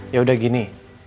ya udah gini